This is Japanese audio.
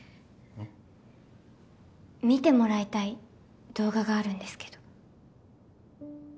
見てもらいたい動画があるんですけど。